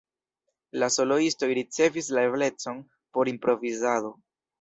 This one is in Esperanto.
La soloistoj ricevis la eblecon por improvizado.